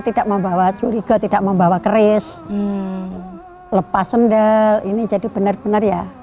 tidak membawa curiga tidak membawa keris lepas sendal ini jadi benar benar ya